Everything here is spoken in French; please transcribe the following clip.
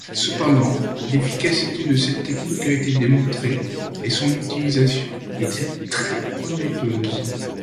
Cependant, l'efficacité de cette technique a été démontrée et son utilisation est très prometteuse.